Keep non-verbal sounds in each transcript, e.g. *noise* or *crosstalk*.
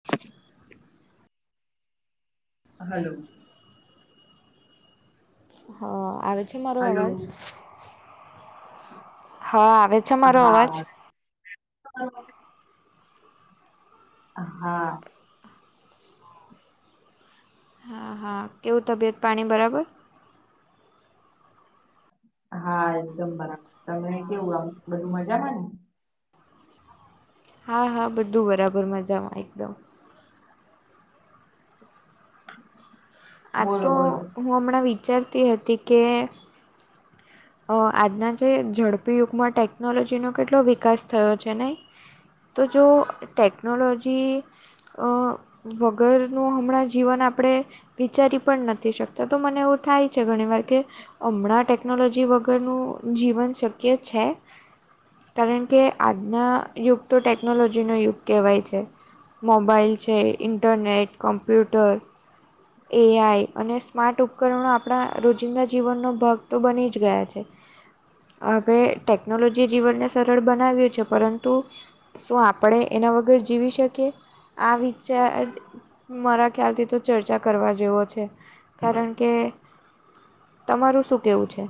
*inaudible* Hello. હા આવે છે મારો હલો અવાજ? હા આવે છે મારો હા. અવાજ? હા. હા હા કેવું તબિયત પાણી બરાબર? હા એકદમ બરાબર. તમને કેવું આવ બધું મજામાં ને. હા હા બધું બરાબર મજામાં એકદમ. આ બોલો તો બોલો હું હમણાં વિચારતી હતી કે અહ આજના જે ઝડપી યુગમાં ટેકનોલોજીનો કેટલો વિકાસ થયો છે નહીં. તો જો ટેક્નોલોજી અહ વગરનું હમણાં જીવન આપડે વિચારી પણ નથી શકતા તો મને એવું થાય છે ઘણી વાર કે હમણાં ટેકનોલોજી જે વગરનું જીવન શક્ય છે. કારણ કે આજના યુગ તો ટેકનોલોજીનો યુગ કહેવાય છે. મોબાઈલ છે ઇન્ટરનેટ કમ્પ્યુટર એ આઈ અને સ્માર્ટ ઉપકરણો આપડા રોજિંદા જીવનનો ભાગ તો બની જ ગયા છે. *inaudible* હવે ટેકનોલોજીએ જીવનને સરળ બનાવ્યું છે પરંતુ શું આપ પડે એના વગર જીવી શકીએ. આ વિચાર મારા ખ્યાલથી તો ચર્ચા કરવા જેવો છે કારણ કે તમારું શું કેવું છે?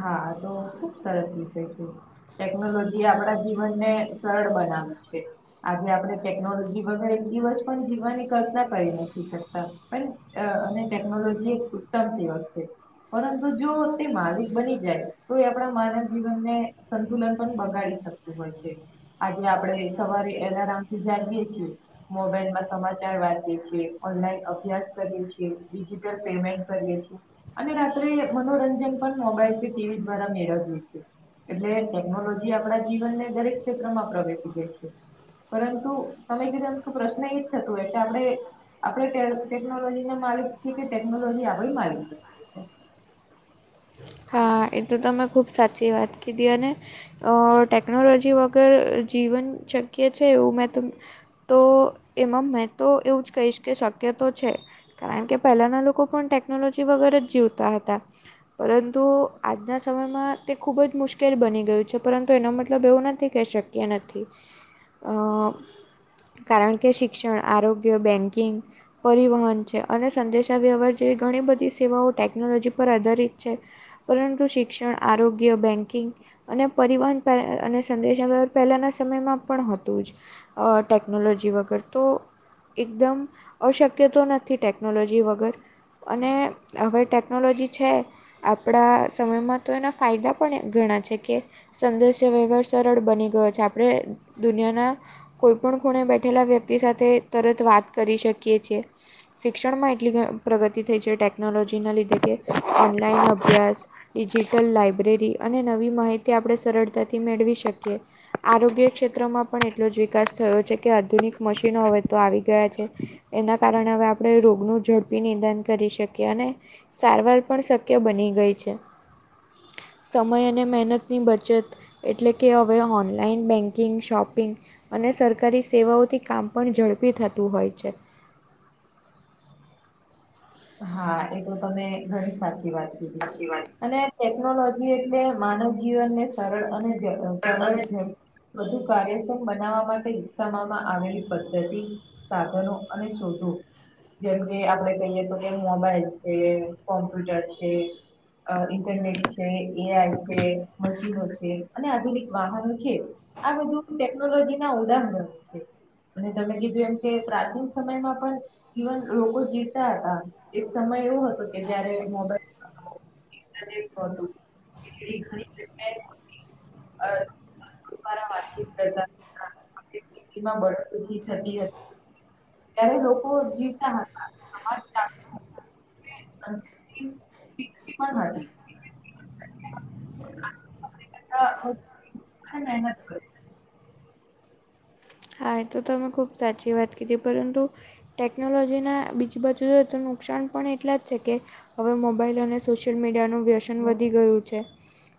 હા તો ખુબ સરસ વિષય છે. ટેકનોલોજી આપડા જીવન ને સરળ બનાવે છે. આજે આપડે ટેકનોલોજી વગર એક દિવસ પણ જીવવાની કલ્પના કરી નથી શકતા પણ અહ અને ટેકનોલોજી એક ઉતમ સેવક છે. પરંતુ જો તે મારી બની જાય તો એ આપડા માનવ જીવનને સંતુલન પણ બગાડી શકતું હોય છે. આજે આપડે સવારે એલારામ થી જઈએ છીએ. મોબાઈલમાં સમાચાર વાંચીએ છીએ ઓનલાઈન અભ્યાસ કરીએ છીએ ડિજિટલ પેમેન્ટ કરીએ છીએ. અને રાત્રે મનોરંજન પણ મોબાઈલ કે ટી વી દ્વારા મેળવીએ છે. એટલે ટેકનોલોજી આપડા જીવનને દરેક ક્ષેત્રમાં પ્રવેશી ગઈ છે. પરંતુ તમે કીધું એમ કે પ્રશ્ન થતો હોય કે આપડે આપડે ટે ટેકનોલોજી ના માલિક છીએ કે ટેકનોલોજી આપણી માલિક છે. હા એ તો તમે ખૂબ સાચી વાત કીધી અને અહ ટેકનોલોજી વગર જીવન શક્ય છે એવું મેં તો તો એમાં મેં તો એવું જ કહીશ કે શક્ય તો છે. કારણ કે પહેલાંના લોકો પણ ટેકનોલોજી વગર જ જીવતા હતા પરં તો આજના સમયમાં તે ખૂબ જ મુશ્કેલ બની ગયું છે પરંતુ એનો મતલબ એવું નથી કે શક એ નથી અહ કારણ કે શિક્ષણ આરોગ્ય બેન્કિંગ પરિવહન છે અને સંદેશાવ્યવહાર જેવી ઘણી બધી સેવાઓ ટેકનોલોજી પર આધારિત છે. પરંતુ શિક્ષણ આરોગ્ય બેન્કિંગ અને પરિવહન પર અને સંદેશ વ્યવહ પહેલાના સમયમાં પણ હતું જ. અહ ટેક્નોલોજી વગર તો એકદમ અશક્ય તો નથી ટેકનોલોજી વગર અને હવે ટેકનોલોજી છે આપણા સમયમાં તો એના ફાયદા પણ ઘણા છે કે સંદેશ્ય વ્યવહાર સરળ બની ગયો છે આપણે દુનિયાના કોઈ પણ ખૂણે બેઠેલા વ્યક્તિ સાથે તરત વાત કરી શકીએ છીએ. શિક્ષણમાં એટલી પ્રગતિ થઈ છે ટેકનોલોજીના લીધે કે ઓનલાઈન અભ્યાસ ડિજિટલ લાઈબ્રેરી અને નવી માહિતી આપણે સરળતાથી મેળવી શકીએ. આરોગ્ય ક્ષેત્રમાં પણ એટલો જ વિકાસ થયો છે કે આધુનિક મશીનો હવે તો આવી ગયા છે. એના કારણે હવે આપણે રોગનું ઝડપી નિદાન કરી શકીએ અને સારવાર પણ શ કય બની ગઈ છે. સમય અને મહેનત ની બચત એટલે કે હવે ઓનલાઈન બેન્કિંગ, શોપિંગ અને સરકારી સેવાઓથી કામ પણ ઝડપી થતું હોય છે. હા એ તો તમે ઘણી સાચી વાત કીધી સાચી વાત અને ટેકનોલોજી એટલે માનવ જીવનને સરળ અને અને સરળ વધુ કાર્યક્ષમ બનાવવા માટે વિક્સાવવામાં આવેલી પદ્ધતિ સાધનો અને શોધો જેમ કે આપડે કહીએ તો, મોબાઈલ છે, કોમ્પ્યુટર છે, ઇન્ટરનેટ છે, એઆઈ છે, મશીનો છે અને આધુનિક વાહનો છે આ બધું ટેકનોલોજી ના ઉદાહરણો છે. અને તમે કીધું એમ કે પ્રાચીન સમયમાં પણ જીવન લોકો જીવતા હતા. એક સમય એવો હતો કે જયારે મોબાઈલ ઇન્ટરનેટ નોતું કે એવી ઘણી જગ્યા ઓ હતી. *unintelligible* વાતચીત કરતા હતા. આપડે ખેતીમાં બળદોથી થતી હતી. ત્યારે લોકો જીવતા હતા *unintelligible* પણ તી પીકતી પણ હતી. હા હા ના હત કર હા એ તો તમે ખૂબ સાચી વાત કીધી પરંતુ ટેકનોલોજીના બીજી બાજુ જો તો નુકસાન પણ એટલા જ છે કે હવે મોબાઈલ અને સોશિયલ મીડિયાનું વ્યસન વધી ગયું છે.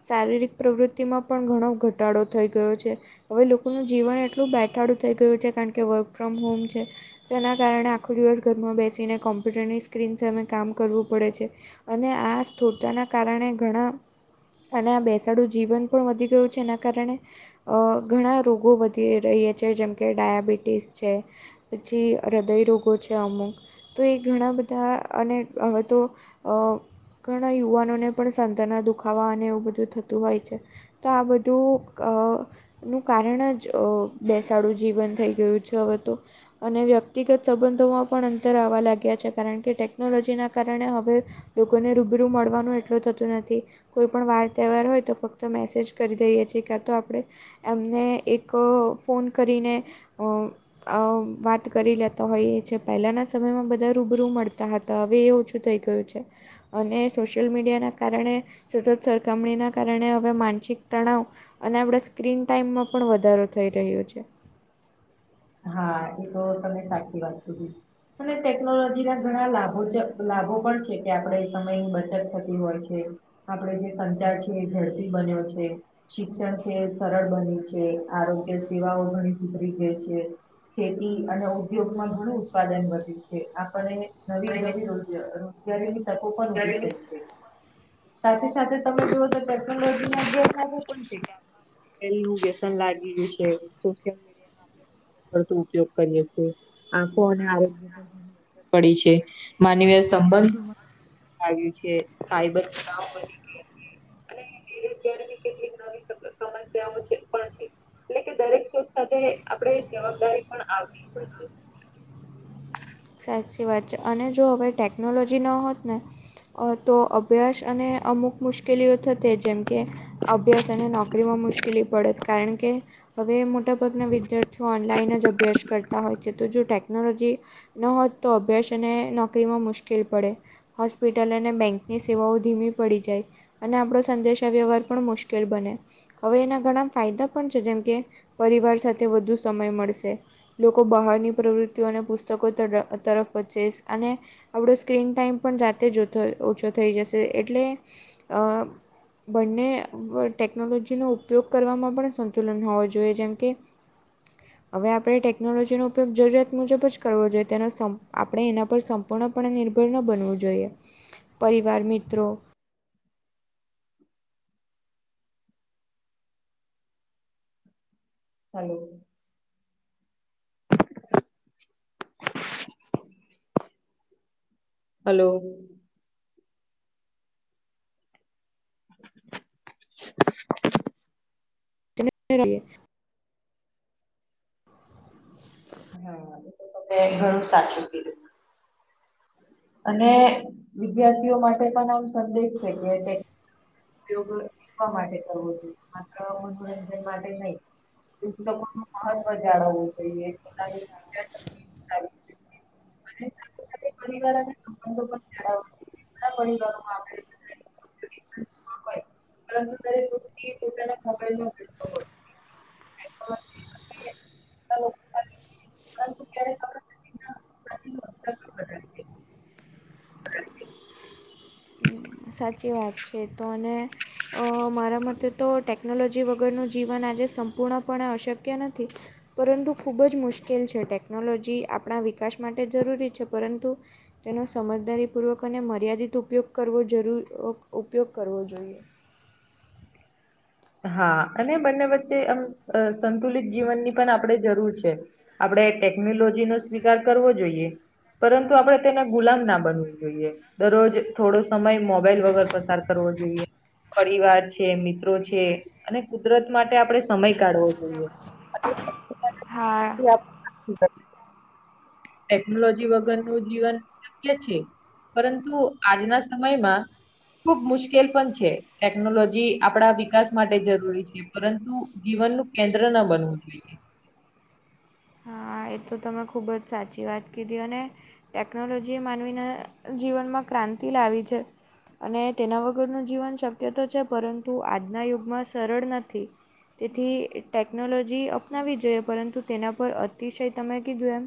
શારીરિક પ્રવૃત્તિમાં પણ ઘણો ઘટાડો થઈ ગયો છે. હવે લોકોનું જીવન એટલું બે ઠાડું થઈ ગયું છે, કારણ કે વર્ક ફ્રોમ હોમ છે. તેના કારણે આખો દિવસ ઘરમાં બેસીને કોમ્પ્યુટરની સ્ક્રીન સામે કામ કરવું પડે છે. અને આ સ્થુળતાના કારણે ઘણા અને આ બેસાડું જીવન પણ વધી ગયું છે એના કારણે અ ઘણા રોગો વધી રહ્યા છે જેમ કે ડાયાબિટીસ છે. પછી હૃદયરોગો છે અમુક તો એ ઘણા બધા અને હવે તો અ ઘણા યુવાનોને પણ સંધાના દુખાવા અને એવું બધું થતું હોય છે. તો આ બધું અ નું કારણ જ અ બેસાડું જીવન થઈ ગયું છે હવે તો. અને વ્યક્તિગત સંબંધોમાં પણ અંતર આવવા લાગ્યા છે કારણ કે ટેકનોલોજીના કારણે હવે લોકોને રૂબરૂ મળવાનું એટલું થતું નથી. કોઈ પણ વાર તહેવાર હોય તો ફક્ત મેસેજ કરી દઈએ છેએ ક્યા તો આપણે એમને એક ફોન કરીને અ અ વાત કરી લેતા હોઈએ છે, પહેલાના સમયમાં બધા રૂબરૂ મળતા હતા. તો હવે એ ઓછું થઈ ગયું છે. અને સોશિયલ મીડિયાના કારણે સતત સરખામણીના કારણે હવે માનસિક તણાવ અને આપણા સ્ક્રીન ટાઈમમાં પણ વધારો થઈ રહ્યો છે. હા એ તો તમે સાચી વાત કીધી. અને ટેકનોલોજી ના ઘણા લાભો લાભો પણ છે કે આપણે સમયની બચત થતી હોય છે. આપડે જે સંચાર છીએ એ ઝડપી બન્યો છે. શિક્ષણ છે એ સરળ બની છે, આરોગ્ય સેવાઓ ઘણી સુધરી ગઈ. ખેતી અને ઉદ્યોગ માં ઘણું ઉત્પાદન વધ્યું છે. આપને નવી નવી રોજ રોજગારીની તકો પણ ઉભી અને થઈ છે. સાથે સાથે તમે જુઓ તો ટેકનોલોજી ના ગેરફાયદા પણ *unintelligible* પેલુ વ્યસન લાગી ગ્યું છે. *unintelligible* *unintelligible* વધુ ઉપયોગ કરીએ છીએ, આંખો અને આરોગ્ય પડી છે માનવી સંબંધો *unintelligible* આવ્યું છે. *unintelligible* *inaudible* *unintelligible* કેટલીક નવી સમસ્યાઓ છે પણ છે. ને એ દરેક શોક સાથે આપડે જવાબદારી પણ આવતી જ હોય છે. સાચી વાત છે, અને જો હવે ટેકનોલોજી ન હોત ને! અ તો અભ્યાસ અને અમુક મુશ્કેલીઓ થતે જેમ કે અભ્યાસ અને નોકરી માં મુશ્કેલી પડે કારણ કે હવે મોટાભાગના વિદ્યાર્થીઓ ઓનલાઈન જ અભ્યાસ કરતા હોય છે તો જો ટેકનોલોજી ન હોત તો અભ્યાસ એને નોકરીમાં મુશ્કેલ પડે. હોસ્પિટલ અને બેંક ની સેવાઓ ધીમી પડી જાય. અને આપડો સંદેશા વ્યવહાર પણ મુશ્કેલ બને. હવે એના ઘણા ફાયદા પણ છે જેમ કે પરિવાર સાથે વધુ સમય મળશે. લોકો બહારની પ્રવૃત્તિઓ અને પુસ્તકો તર તરફ વચેસ અને આપણો સ્ક્રીન ટાઈમ પણ જાતે જતો ઓછો થઈ જશે એટલે અ બંને ટેકનોલોજીનો ઉપયોગ કરવામાં પણ સંતુલન હોવો જોઈએ જેમ કે હવે આપણે ટેકનોલોજી નો ઉપયોગ જરૂરિયાત મુજબ જ કરવો જોઈએ. તેનો આપણે એના પર સંપૂર્ણપણે નિર્ભર ન બનવું જોઈએ. પરિવાર મિત્રો હલો હલો *inaudible* *unintelligible* *inaudible* તમે ઘણું સાચું કીધું. અને વિદ્યાર્થીઓ માટે પણ આમ સંદેશ છે કે. *unintelligible* શીખવા માટે કરવું જોઈએ. માત્ર મનોરંજન માટે નય. પુસ્તકોનું મહત્વ જાળવવુ જોઈએ *unintelligible* *unintelligible* *unintelligible* પરંતુ *unintelligible* *unintelligible* પણ *unintelligible* *unintelligible* સાચી વાત છે તો અને અહ મારા મતે તો ટેકનોલોજી વગરનું જીવન આજે સંપૂર્ણપણે અશક્ય નથી. પરંતુ ખૂબ જ મુશ્કેલ છે ટેકનોલોજી આપણા વિકાસ માટે જરૂરી છે પરંતુ તેનો સમજદારી પૂર્વક અને મર્યાદિત ઉપયોગ કરવો જરૂ ઉક ઉપયોગ કરવો જોઈએ. હા અને બંને વચ્ચે આમ અહ સંતુલિત જીવનની પણ આપણેે જરૂર છે. આપડે ટેકનોલોજી નો સ્વીકાર કરવો જોઈએ. પરંતુ આપણે તેના ગુલામ ના બનવું જોઈએ. દરરોજ થોડો સમય મોબાઈલ વગર પસાર કરવો જોઈએ પરિવાર છે, મિત્રો છે અને કુદરત માટે આપણે સમય કાઢવો જોઈએ *unintelligible* હા ઈ આપ સાચી વાત ટેકનોલોજી વગરનું જીવન શક્ય છે પરંતુ આજના સમયમાં ખૂબ મુશ્કેલ પણ છે ટેકનોલોજી આપણા વિકાસ માટે જરૂરી છે. પરંતુ જીવનનું કેન્દ્ર ના બનવું જોઈએ. હા એ તો તમે ખૂબ જ સાચી વાત કીધી અને ટેકનોલોજીએ માનવીના જીવનમાં ક્રાંતિ લાવી છે. અને તેના વગરનું જીવન શક્ય તો છે પરંતુ આજના યુગમાં સરળ નથી. તેથી ટેકનોલોજી અપનાવી જોઈએ પરંતુ તેના પર અત તિશય તમે કીધું એમ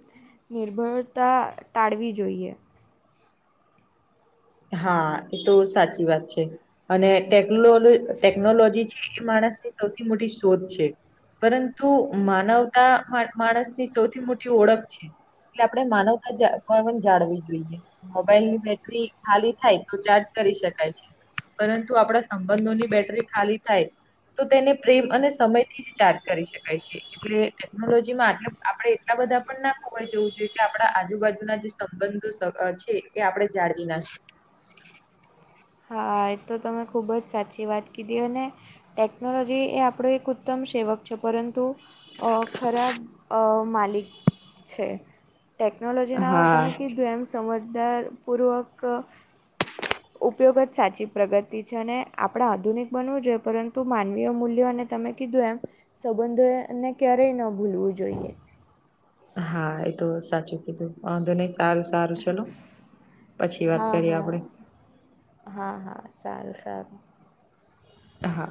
નિર્ભરતા ટાળવી જોઈએ. હા એ તો સાચી વાત છે અને ટેકલોલો ટેકનોલોજી છે એ માણસની સૌથી મોટી શોધ છે. પરંતુ માનવતા મા માણસ ની સૌથી મોટી ઓળખ છે. એટલે આપણે માનવતા જા *unintelligible* પણ જાળવી જોઈએ મોબાઈલ ની બેટરી ખાલી થાય તો ચાર્જ કરી શકાય છે પરંતુ આપણા સંબંધોની બેટરી ખાલી થાય તો તેને પ્રેમ અને સમયથી રીચાર્જ કરી શકાય છે. એટલે ટેકનોલોજીમાં આટલું આપડે એટલા બધા પણ ના ખોવાય જવું જોઈએ કે આપડા આજુબાજુના જે સંબંધો સ અ છે એ આપણે જાળવી ના શ હા એ તો તમે ખૂબ જ સાચી વાત કીધી અને ટેકનોલોજી એ આપણો એક ઉત્તમ સેવક છે પરંતુ અહ ખરાબ અહ માલિક છે. ટેકનોલોજીના તમે હા કીધું એમ સમજદારપૂર્વક ઉપયોગ જ સાચી પ્રગતિ છે અને આપણા આધુનિક બનવું જોઈએ પરંતુ માનવીય મૂલ્યો અને તમે કીધું એમ સંબંધો એ એને ક્યારેય ન ભૂલવું જોઈએ. હા એ તો સાચું કીધુંં વાંધો નઈ સારું સારું ચલો પછી વાત હા કરીએ હા આપડે. હા હા સારું સારું. હા.